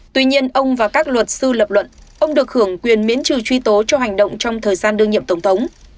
tuy nhiên ông và các luật sư lập luận ông được hưởng quyền miễn trừ truy tố cho hành động trong thời gian đương nhiệm tổng thống